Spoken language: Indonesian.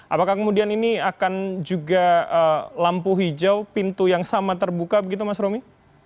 apakah kemudian ini akan juga lampu hijau pintu yang sama terbuka begitu mas romi